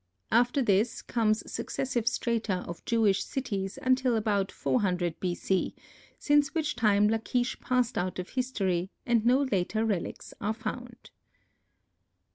After this comes successive strata of Jewish cities until about 400 B. C., since which time Lachish passed out of history and no later relics are found.